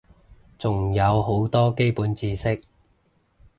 仲有好多基本知識